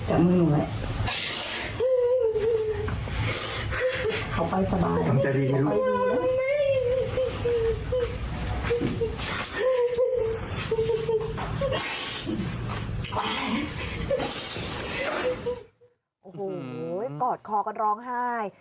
โอ้โหกอดคอกันร้องไห้